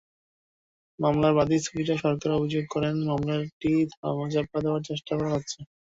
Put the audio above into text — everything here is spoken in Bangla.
মামলার বাদী সুফিয়া সরকার অভিযোগ করেন, মামলাটি ধামাচাপা দেওয়ার চেষ্টা করা হচ্ছে।